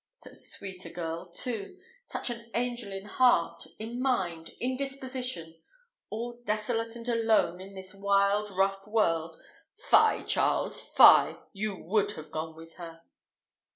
So sweet a girl, too! such an angel in heart, in mind, in disposition; all desolate and alone in this wide rough world! Fie, Charles, fie! you would have gone with her."